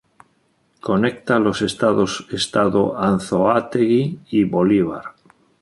Conecta los estados Estado Anzoátegui y Bolívar.